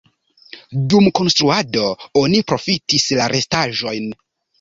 Dum konstruado oni profitis la restaĵojn.